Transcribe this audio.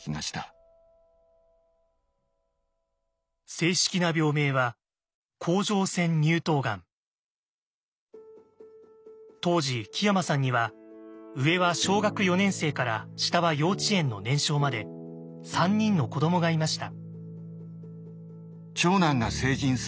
正式な病名は当時木山さんには上は小学４年生から下は幼稚園の年少まで３人の子どもがいました。